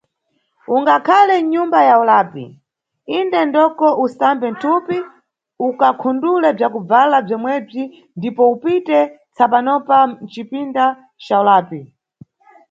Ungakhale mnyumba ya ulapi, inde ndoko ukasambe mthupi ukakhundule bzakubvala bzomwebzi ndipo upite tsapanopa mcipinda ca ulapi.